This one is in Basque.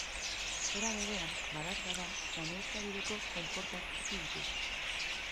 Era berean, badaezpada gainezkabideko konportak itxi dituzte.